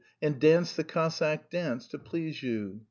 and danced the Cossack dance to please you.